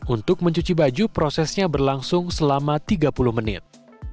untuk mencuci baju prosesnya berlangsung selama tiga puluh menit